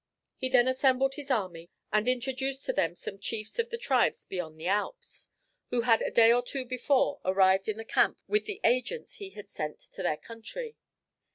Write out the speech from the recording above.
He then assembled his army and introduced to them some chiefs of the tribes beyond the Alps, who had a day or two before arrived in the camp with the agents he had sent to their country.